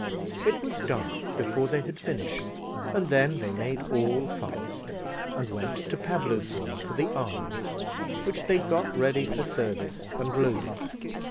It was dark before they had finished, and then they made all fast, and went to Pablo's room for the arms, which they got ready for service, and loaded.